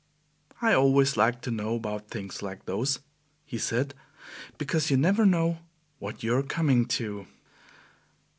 "I always like to know about things like those," he said, "because you never know what you are coming to."